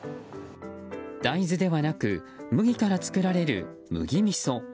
大豆ではなく麦から作られる麦みそ。